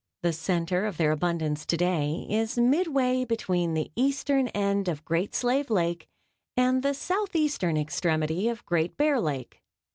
The center of their abundance to day is midway between the eastern end of Great Slave Lake and the southeastern extremity of Great Bear Lake.